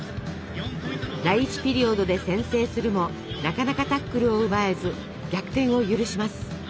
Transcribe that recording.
第１ピリオドで先制するもなかなかタックルを奪えず逆転を許します。